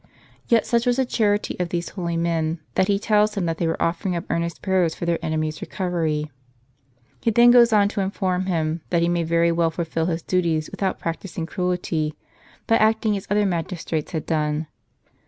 Yet such was the charity of those holy men, that he tells him they were offering up earnest prayers for their enemy's recovery! He then goes on to inform him, that he may very well fulfil his duties without practising cruelty, by acting as other * Eoma Subterr. 1. iii. c. 23. magistrates had done.